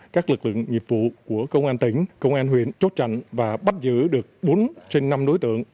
các lực lượng nghiệp vụ của công an tỉnh công an huyện chốt chặn và bắt giữ được bốn trên năm đối tượng